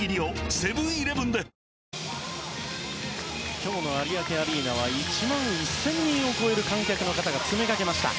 今日の有明アリーナは１万１０００人を超える観客の方が詰めかけました。